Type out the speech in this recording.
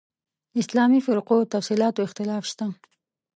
اسلامي فرقو تفصیلاتو اختلاف شته.